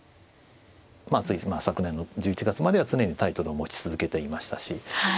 つい昨年の１１月までは常にタイトルを持ち続けていましたし。